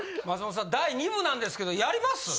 松本さん、第２部なんですけど、やります？